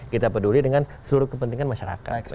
kita peduli dengan seluruh kepentingan masyarakat